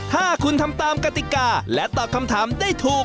ถ้าคุณทำตามกติกาและตอบคำถามได้ถูก